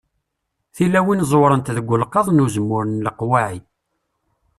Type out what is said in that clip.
Tilawin ẓewwrent deg ulqaḍ n uzemmur n leqwaɛi.